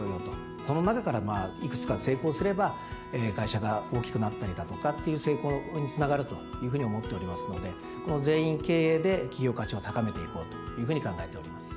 その中から幾つか成功すれば会社が大きくなったりだとかっていう成功につながるというふうに思っておりますのでこの「全員経営」で企業価値を高めていこうというふうに考えております。